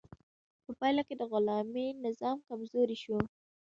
په پایله کې د غلامي نظام کمزوری شو.